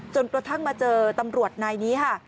จนกระทั่งมาเจอตำรวจนายนี้ค่ะ